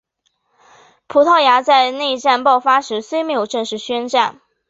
葡萄牙在内战爆发时虽没有正式宣战。